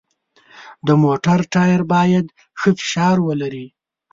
د موټر ټایر باید ښه فشار ولري.